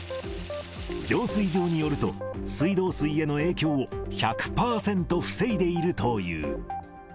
浄水場によると、水道水への影響を１００％防いでいるという。